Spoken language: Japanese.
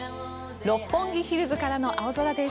六本木ヒルズからの青空です。